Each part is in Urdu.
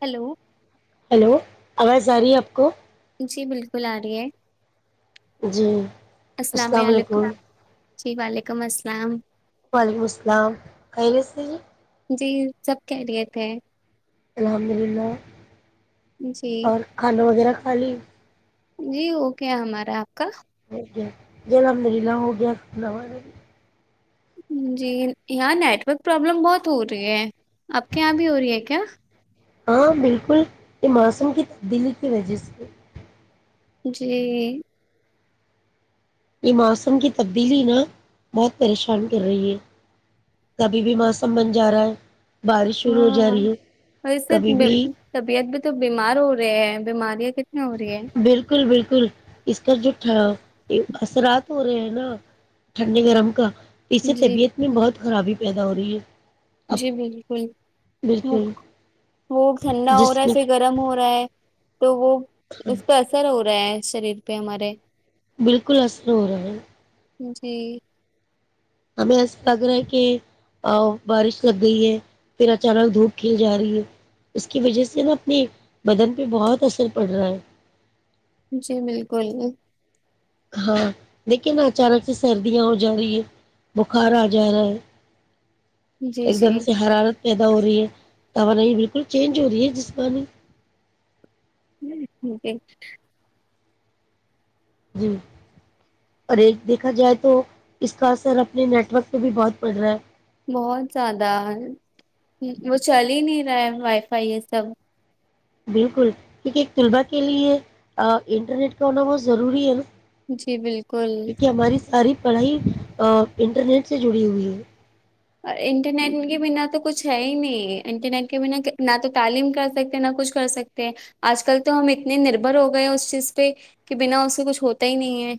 ہیلو ہلو آواز آ رہی ہے آپ کو جی بالکل آ رہی ہے جی السلام علیکم جی وعلیکم السلام وعلیکم السلام خ رہے سے جی سب کہہریے تھے الحمد للہ جی اور کھالو وغیرہ علی جی وہ کیا ہمارا آپ کا ہو گیا جلم للا ہو گیا ک والا بھی جی یہاں نیٹورک پرابلم بہت ہو رہی ہے آپ کے یہاں بھی ہو رہی ہے کیا ہاں بالکل یہ موسم کی تبدیلی کی وجہ سے جی یہ موسم کی تبدیلی نا بہت پریشان کر رہی ہے کبھی بھی موسم بن جا رہا ہے بارش شروع ہو جا ہاں رہی ہے وسے کبھی بھی طبیعت بھی تو بیمار ہو رہے ہیں بیماری بالکل بالکل اس کا جو ہ اثرات ہو رہے ہیں نا ٹھنڈی گرم کا اس سے جی طبیعت میں بہت خرابی پیدا ہو رہی ہے اب جی بالکل وہ بالکل وہ ٹھنڈا ہو جس رہا ہے میں پھر گرم ہو رہا ہے تو وہ اس پہ اثر ہو رہا رہا شریر پہ ہمارے بالکل اصر ہو رہا ہے جی ہمیں ایسا لگ رہا ہے کہ بارش لگ گئی ہے پھر اچانک دھوپ کھیل جا رہی ہے اس کی وجہ سے نا اپنی بدن پہ بہت اثر پڑ رہا ہے جی بالکل ہاں لیکن اچانک سے سردیاں ہو جا رہی ہے بخار آ جا رہا ہے جی ایک جی دم سے حرارت پیدا ہو رہی ہے تو نہیں بالکل چینج ہو رہی ہے جسمانی ہ جی اور ایک دیکھا جائے تو اس کا اثر اپنے نیٹورک پہ بھی بہت پڑ رہا ہے بہت زیادہ وہ چل ہی نہیں رہا وائی فائی یہ سب بالکل کیونکہ ایک طلباء کے لیے انٹرنیٹ کا ہونا بہت ضروری ہے نا جی بالکل کیونکہ ہماری ساری پڑھائی انٹرنیٹ سے جڑی ہوئی ہے انٹرنیٹ کے بنا تو کچھ ہے ہی نہیں انٹرنیٹ کے بنا نہ تو تعلیم کر سکتے نہ کچھ کر سکتے ہیں آج کل تو ہم اتنے نربھر ہو گئے اس چیز پہ کہ بنا اس سے کچھ ہوتا ہی نہیں ہے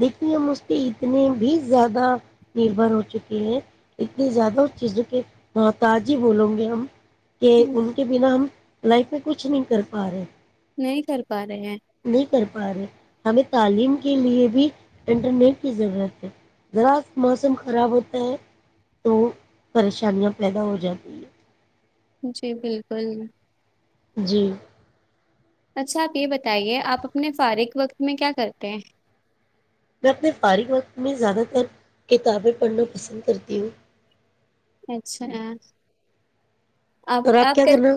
دیکے ہم اس کے اتنے بھی زیادہ نربھر ہو چکے ہیں اتنی زیادہ اس چیزوں کے محتاجی بولو گے ہم کہ ہم ان کے بنا ہم لائف میں کچھ نہیں کر پا رہے نہیں کر پایا ہاں نہیں کر پا رہے ہیں ہمیں تعلیم کے لیے بھی انٹرنیٹ کی ضرورت ہے ذرا موسم خراب ہوتا ہے تو پریشانیاں پیدا ہو جاتی ہے جی بالکل جی اچھا آپ یہ بتائیے آپ اپنے فارغ وقت میں کیا کرتے ہیں میں اپنے فارغ وقت میں زیادہ تر کتابیں پڑھنا پسند کرتی ہوں اچھا آپ اور کیا آپ کرنا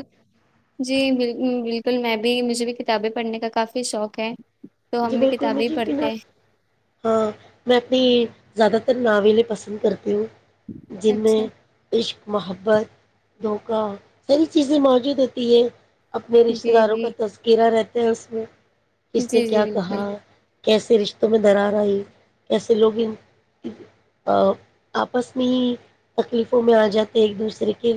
جی بالکل بالکل تول میں بھی مجھے بھی کتابیں پڑھنے کا کافی شوق ہے تو جی ہم بھی بالکل کتابیں ہی مجھےنا پڑھتے ہیں ہاں میں اپنی زیادہ سر ناولیں پسند کرتے ہو ج میں اچھا عشق محبت دھوکہ ساری چیزیں موجود ہوتی ہے اپنے رشتتے جی داروں کا جی تذکرہ رہتا د اس میں [unintelligible] کس نے جی جی کیا بالکل پہا [unintelligible] کیسے رشتوں میں درارا ہے کیسے لوگ ان آپس میں ہی تکلیفوں میں آ جاتے ایک دوسرے کے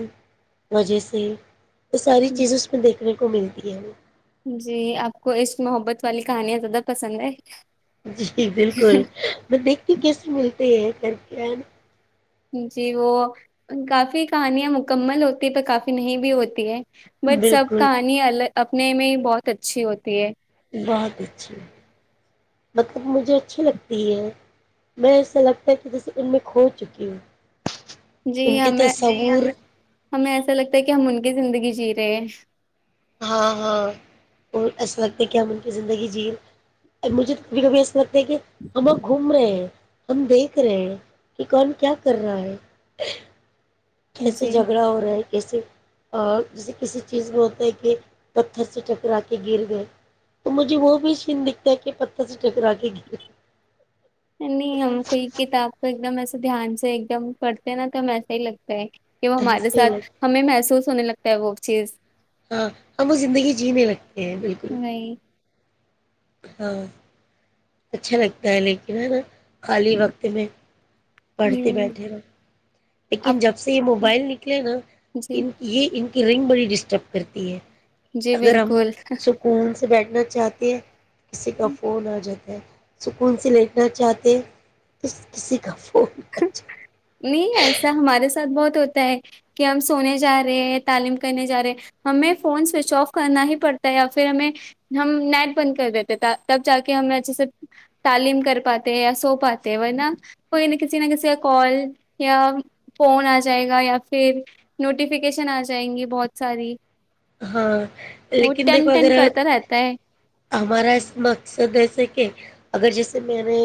وجہ سے یہ ساری چیزیں اس میں دیکھ سنے کو ملتی ہے [unintelligible] جی آپ کو عشق محبت والی کہانیاں زیادہ پسند ہے جی بالکل میں دیکھتی کیس میں تو یہ کر کے ہے ن [unintelligible] جی وہ کافی کہانیاں مکمل ہوتی ہے پ کافی نہیں بھی ہوتی ہے نا؟ بٹ سب بالکل کہانی ال اپنے میں بہت اچھی ہوتی ہے بہت اچھی مطلب مجھے اچھی لگتی ہے میں ایسا لگتا ہے کہ جیسے ان میں کھو چکی ہوں جی ان کے ہمیں تصور ہمیں ایسا لگتا ہے کہ ہم ان کی زندگی جی تیش [unintelligible] ہاں ہاں اور ایسا لگتا ہے کہ ہم ان کی زندگی جی مجھے کبھی کبھی ایسا لگتا دیکھیے ہموگ گھوم رہے ہیں ہم دیکھ رہے ہیں کہ کون کیا کر رہا ہے کیسے جی جھگڑا ہو رہا ہے ے اور جیسے کسی چیز میں ہوتا ہے کہ پتھر سے ٹکرا کے گر گئے تو مجھے وہ بھی چین دکھتا ہے کہ پتھر سے ٹکرا کے گر نہیں ہم کوئی کتاب تو ایک دم ایسے دھیان سے ایک دم پڑتے ہیں نا تو ایسا ہی لگتا ہے کہ وہ ہمارے ایسے ہی ساتھ لگ ہمیں محسوس ہونے لگتا کیا بک چ [unintelligible] ہاں ہم وہ زندگی جینے لگتے [unintelligible] ا بالکل وہی ہاں اچھا لگتا ہے لیکن ہے نا خالی وقت میں پڑھتے ہوں بیٹھے رہوں لیکن آپ جب سے یہ موبائل نکلے نا جی ان یہ ان کہ رنگ بڑی ڈسٹرب کرتی ہے جی گرم بالکل سکون سے بیٹھنا چاہتی ہیں کسی کا فون آ جاتا سکون سے لیٹنا چاہتے تو کسی کا فولچاہ نہیں ایسا ہمارے ساتھ بہت ہوتا ہے کہ ہم سونے جا رہے ہیں تعلیم کرنے جا رہے ہمیں فون سوئچ آف کرنا ہی پڑتا ہے یا پھر ہمیں ہم نیٹ بند کر دیتے تب جا کے ہمیں اچھے سے تعلیم کر پاتے یا سو پاتے ہیں نا کوئی نہ کسی نہ کسی کا کال یا فون آ جائے گا یا پھر نوٹیفکیشن آ جائیں گی بہت ساری ہاں وہ لیکن ٹین دیکھو ٹین اگر کرتا رہتا ہے ہمارا اس مقصد ایسے کہ اگر جیسے میں نے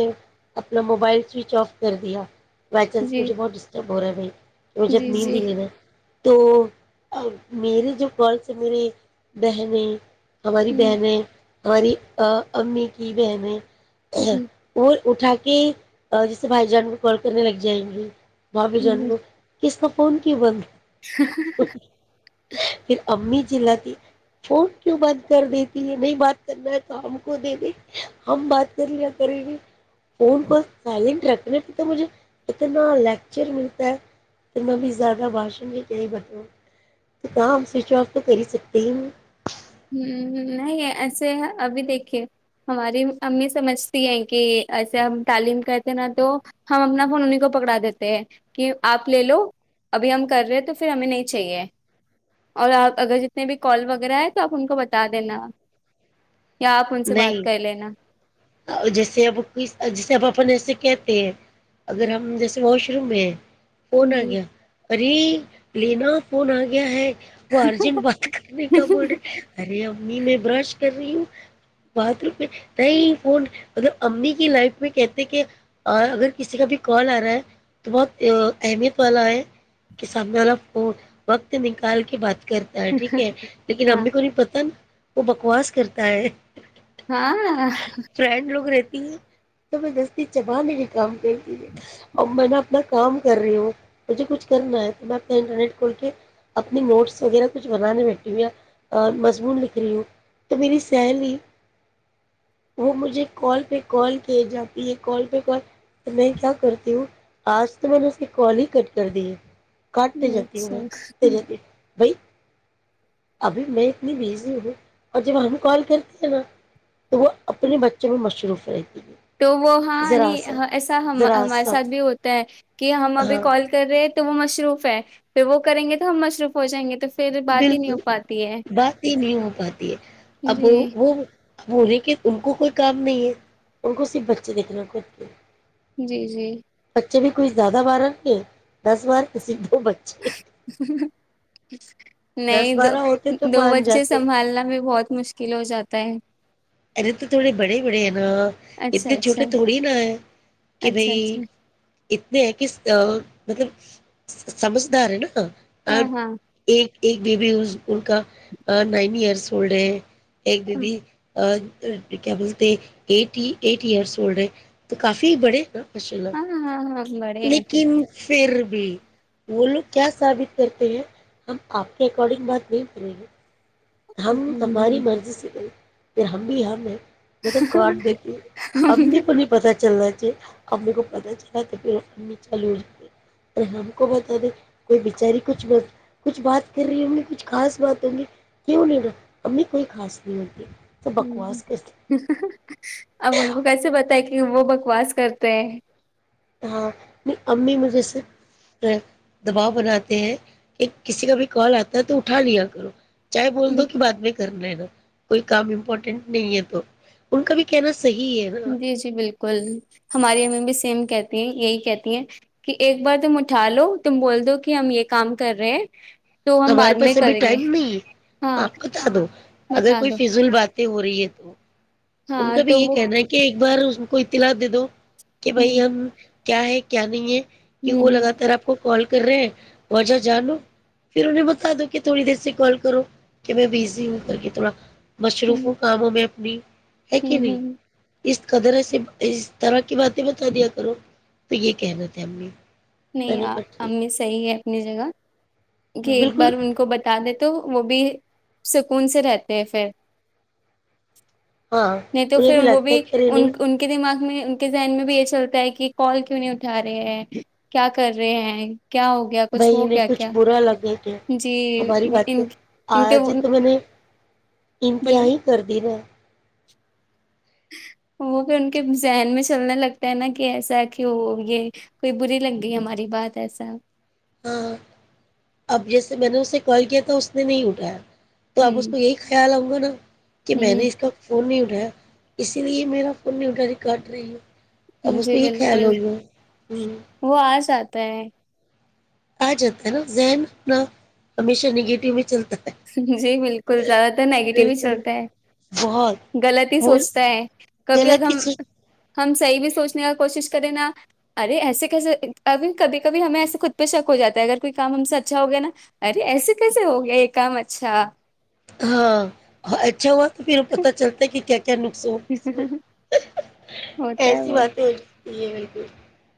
اپنا موبائل سوئچ آف کر دیا بائی چانس جی مجےہت ڈسٹرب بورے بھی رجت جی نہیں جی دلی میں تو میرری جو گلس ہے میرے بہنیں ہماری ہ بہنیں ہماری امی کی بہنیں ہ ا ہ اور اٹھا کے جیسے بھائی جان کو کال کرنے لگ جائیں گے ب بھی جانور اس کا فون کو بند ہے ہا ہا ہا پھر امی چلاات ت فون کیوں بند کر دیتی یہ نہیں بات کرنا ہے تو ہم کو دے د ہم بات کر لیا کریں گی فون کو سالنٹ رکھ تو مجھے اتنا لیکچر ملتا ہے اتنا بھی زیادہ بھاشن بتا تو ہم سوئچ آف تو کر ہی سکتے ہ ہ نہیں ایسے ابھی دیکھیے ہماری امی سمجھتی ہیں کہ ایسے ہم تعلیم کہتے ہیں نا تو ہم اپنا فون انہیں کو پکڑا دیتے ہیں کہ آپ لے لو ابھی ہم کر رہے ہیں تو پھر ہمیں نہیں چاہیے اور آپ اگر جتنے بھی کال وغیرہ ہے آپ ان کو بتا دینا یا آپ ان سے بات نہیں کر لینا جیسے اب جیسے اب اپنے ایسے کہتے ہیں اگر ہم جیسے واش روم میں فون ہوں۔ آگیا ارے لینا فون آ گیا ہے وہ ارجنٹ بات کرنے کا ب رہے ارے ا امی میں برش کر رہی ہو باتھ روم میں نہیں فون مطلب امی کی لائف میں کہتے کہ اگر کسی کا بھی کال آ رہا ہے تو بہت اہمیت والا ہے کہ سامنے والا فون وقت نکال کے باتھ ر کرتا ہے ٹھیک ہے لیکن ہاں امی کو نہیں پتا نا وہ بکواس کرتا ہے ہاں ہا ہا فرینڈ لوگ رہتی تو میں دستی چباننے کا کام چبانے کا کام اور منا اپنا کام کر رہی ہوں مجھے کچھ کرنا ہے تو میں اپنا انٹرنیٹ کھول کے اپنی نوٹس وغیرہ کچھ بنانے بیٹھی ہوں یا مضمون لکھ رہی ہوں تو میری سہیلی وہ مجھے کال پہ کال کیے جاتی ہے کال پہ کال میں کیا کرتی ہوں آج تو میں نے اس کی کال ہی کٹ کر دی کاٹ تے جاتتی ہو میی کاٹ اچھا تے جاتی ہو میں بھی ابھی میں اتنی بزی ہوں اور جب ہم کال کرتی ہیں نا تو وہ اپنے بچوں میں مصروف رہتی ہے تو وہ ہاں نی ذرا سا ایسا ذرا ہمارے سا ساتھ بھی ہوتا ہے کہ ہم ابھی ہاں کال کر رہے تو وہ مشروف ہے پھر وہ کریں گے تو ہم مصروف ہو جائیں گے تو پھر بات ہی نہیں بالکل ہو پاتی ہے بات ہی نہیں ہو پاتی ہے اب وہ جی اب ہونے کے ان کو کوئی کام نہیں ہے ان کو صرف بچے دیکھنا خود کے جی جی بچے بھی کوئی زیادہ بار آ گ دس بار کسی [inaudible] دس نہیں دو بارہ ہوتے تو دو مان بچے جاتے سنبھالنا بھی بہت مشکل ہو جاتا ہے ا تو تھوڑے بڑے بڑے ہیں نا اچھا اتنے اچھا چھوٹے تھوڑی نا ہے کہ اچھا بھائی اچھا اتنے ہیں کہ مطلب سمجھدار ہے نا ا ہاں ہاں ایک ایک بیبی ان کا نائن ایئرس اولڈ ہے ایک دبی ہاں کیا بولتے ایٹ ایٹ ایئرس اولڈ ہیں تو کافی بڑے نا ماشاء ہاں اللہ ہاں ہاں بڑے ہیں پھر لیکن پھر ج وہ لوگ کیا ثابت کرتے ہیں ہم آپ کے اکارڈنگ بات نہیں کریں گے ہم ہماری ہمم۔ مرضی سے ب پھر ہم بھی ہم ہیں میں تو کڈ دیکھی ابمی تو نہیں پتا چل رہا ا کو پ چلامی چال جات اور ہم کو بتا دیں کوئی بچاری کچھ کچھ بات کر رہی ہوںگی کچھ خاص بات ہوںگی کیوں نہیں گا امی کوئی خاص نہیں ہوتی تو بکواس کرتی ہ اب ان کو کیسے بتائے کہ وہ بکواس کرتے ہیں ہاں نہیں امی مجھے سے دباؤ بناتے ہیں کہ کسی کا بھی کال آتا ہے تو اٹھا لیا کرو چاہے بول ہیں دو کہ بعد میں کرنا ہے نا کوئی کام امپورٹینٹ نہیں ہے تو ان کا بھی کہنا صحیح ہے نا جی جی بالکل ہماریے ہمیں بھی سم کہتی ہیں یہی کہتی ہیں کہ ایک بار تم اٹھا لو تم بول دو کہ ہم یہ کام کر رہے ہیں تو ہم بعد ہمارے میں پاس ابھی کریں گے ٹائم نہیں ہے ہاں بتا دو اگر بتا کوئی دو فضل بات ت ہورییت ان ہاں کا بھی تو یہ وہ کہنا ہے کہ [unintelligible] بار اس کوئی اطلاع دے دو کہ ہ بھائی ہم کیا ہے کیا نہیں ہے کہ ہ وہ ہ لگاتار آپ کو کال کر رہے ہیں وجہ جانو پھر انہیں بتا دو کہ تھوڑی دیر سے کال کرو کہ میں بزی ہوں کر کے تھوڑا مصروفوں کاموں میں [unintelligible] بی ہوں ہ اس قدر سے اس طرح کی باتیں بتا دیا کرو [unintelligible] تو یہ کہہ رہ تھے امی نہیں امی صحیح ہے اپنی جگہ [unintelligible] کہ ایک بالکل بار ان کو بتا دیں تو وہ بھی سکون سے رہتے ہیں پھر ہاں نہیں تو انہیں پھر وہ لگتا ہے بھی کہ ارے ان نہیں ان کے دماغ میں ان کے ذہن میں بھی یہ چلتا ہے کہ کال کیوں نہیں اٹھا رہے ہے کیا کر رہے ہیں کیا ہو گیا کچھ بھائی ہو انہیں گیا کچھ کیا برا لگے کہ جی ہماری باتیں ان ان کے آج تو میں نے بولی انتہائی کر د رہا وہ بھی ان کے ذہن میں چلنے لگتا ہے نہ کہ ایسا کہ وہ یہ کوئی بری لگ گئی ہماری بات ایسا۔۔ ہاں اب جیسے میں نے اسے کال کیا تھا اس نے نہیں اٹھایا۔۔ تو آپ اس کو یہی خیال ہو۔۔ [unintelligible] [unintelligible] [unintelligible] کہ میں نے ہوں اس کا فون نہیں اٹھا۔۔ اسی لیے میرا فون نہیں اٹھا رہی۔ کاٹ رہی ہے۔۔ اب اس جی پہ یہ خیال بالکل ہوئی ہو ہ وہ آ سات [unintelligible] پ [unintelligible] آ جاتا ہے نا ذہن اپنا ہمیشہ نگیٹو میں چلتا ہے جی بالکل زیادہ تر نیگیٹو ہی بالکل چلتا ہے بہت غلط ہی وہ سوچتا ہے کبھی اگر غلط ہی ہم چیز، ہم صحیح بھی سوچنے کا کوشش کریں نا ارے ایسے کیسے اب کبھی کبھی ہمیں ایسے خود پہ شک ہو جاتا ہے اگر کوئی کام ہم سے اچھا ہو گیا نا ارے ایسے کیسے ہو گیا ایک کم اچھا ہاں اچاو تو پھر وہ پتہ چلتا ہے کہ کیا کیا نقصان اس میں ہوتا ہے ایسی وہ باتیں ہوگی یہ بالکل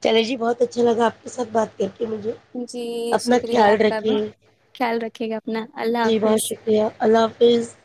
چلے جی بہت اچھا لگا آپ کے ساتھ بات کر کے مجھے جی اپنا شکریہ خیال آپ کا رکھیے خیال رکھے گا اپنا اللہ جی بہت حافظ شکریہ اللہ حافظ